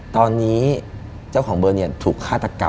ตอนนี้เจ้าของเบอร์เนี่ยถูกฆาตกรรม